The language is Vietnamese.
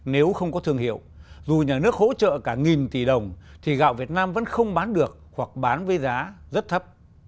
nếu không có thương hiệu dù nhà nước hỗ trợ cả nghìn tỷ đồng thì gạo việt nam vẫn không bán được hoặc bán với giá rất thấp